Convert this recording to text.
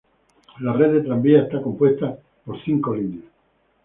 La red de tranvías está compuesta por cinco líneas.